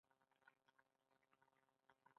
دځنګل حاصلات د افغان کورنیو د دودونو مهم عنصر دی.